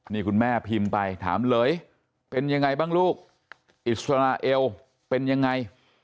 นี่คุณแม่พิมพ์ไปถามเลยเป็นยังไงบ้างลูกอิสราเอลเป็นยังไง